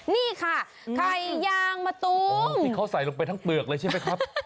นี่ค่ะไข่ยางมะตูมที่เขาใส่ลงไปทั้งเปลือกเลยใช่ไหมครับ